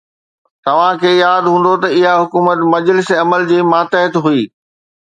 توهان کي ياد هوندو ته اها حڪومت مجلس عمل جي ماتحت هئي.